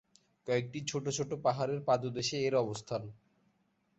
কয়েকটি ছোট ছোট পাহাড়ের পাদদেশে এর অবস্থান।